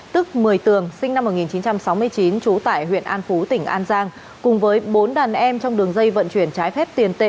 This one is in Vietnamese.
tức một mươi tường sinh năm một nghìn chín trăm sáu mươi chín trú tại huyện an phú tỉnh an giang cùng với bốn đàn em trong đường dây vận chuyển trái phép tiền tệ